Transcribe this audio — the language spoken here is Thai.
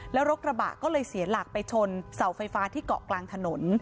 แล้วรถกระบะก็เลยเสียหลักไปชนเสาไฟฟ้าที่เกาะกลางถนน